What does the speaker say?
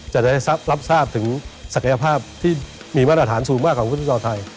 จะได้รับทราบถึงศักยภาพที่มีมาตรฐานสูงมากของฟุตซอลไทย